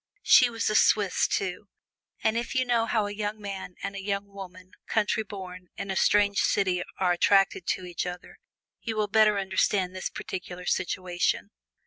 She was a Swiss, too, and if you know how a young man and a young woman, countryborn, in a strange city are attracted to each other, you will better understand this particular situation.